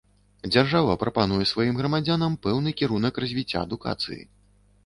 Дзяржава прапануе сваім грамадзянам пэўны кірунак развіцця адукацыі.